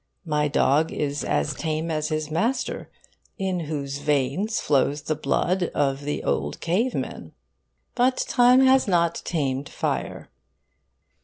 My dog is as tame as his master (in whose veins flows the blood of the old cavemen). But time has not tamed fire.